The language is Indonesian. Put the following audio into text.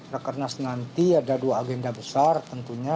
rakernas nanti ada dua agenda besar tentunya